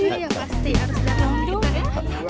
iya pasti harus datang